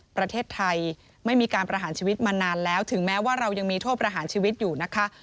ประเทศไทยไม่มีการประหารชีวิตมานานแล้วถึงแม้ว่าเรายังมีโทษประหารชีวิตอยู่นะคะ